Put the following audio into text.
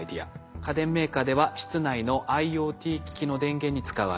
家電メーカーでは室内のＩｏＴ機器の電源に使うアイデア。